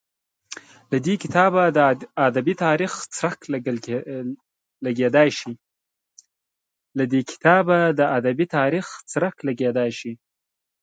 له دې کتابه د ادبي تاریخ څرک لګېدای شي.